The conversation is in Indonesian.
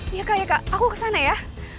iya kak aku kesana ya